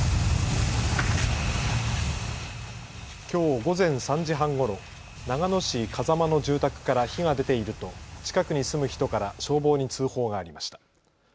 きょう午前３時半ごろ、長野市風間の住宅から火が出ていると近くに住む人から消防に通報がありました。